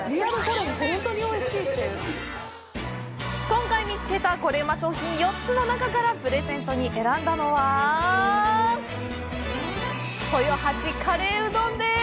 今回見つけたコレうま商品４つの中からプレゼントに選んだのは豊橋カレーうどんです。